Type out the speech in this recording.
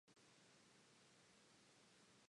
The ballpark for Vicksburg was Athletic Park.